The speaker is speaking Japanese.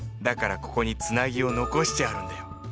だからここにつなぎを残してあるんだよ。